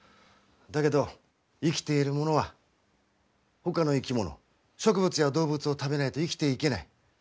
だけど生きているものはほかの生き物植物や動物を食べないと生きていけない。